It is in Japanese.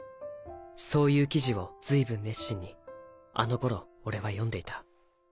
そういう記事を随分熱心にあの頃俺は読んでいた。